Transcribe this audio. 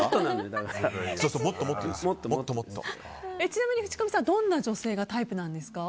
ちなみに淵上さんどんな女性がタイプなんですか？